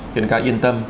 nên các em yên tâm